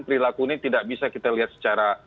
perilaku ini tidak bisa kita lihat secara